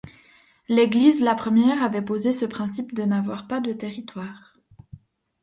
L'Église la première avait posé ce principe ne n'avoir pas de territoire.